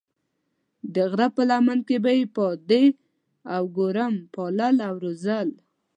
د غره په لمن کې به یې پادې او ګورم پالل او روزل.